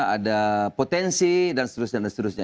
ada potensi dan seterusnya